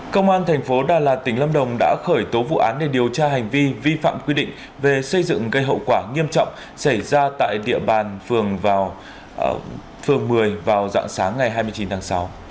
công an thành phố đà lạt tỉnh lâm đồng đã khởi tố vụ án để điều tra hành vi vi phạm quy định về xây dựng gây hậu quả nghiêm trọng xảy ra tại địa bàn phường vào phường một mươi vào dạng sáng ngày hai mươi chín tháng sáu